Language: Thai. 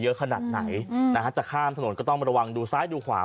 เยอะขนาดไหนนะฮะจะข้ามถนนก็ต้องระวังดูซ้ายดูขวา